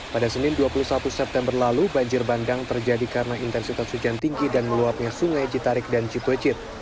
pada senin dua puluh satu september lalu banjir bandang terjadi karena intensitas hujan tinggi dan meluapnya sungai citarik dan cipecit